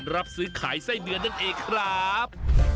รับซื้อขายไส้เดือนนั่นเองครับ